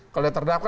kalau dia terdakwa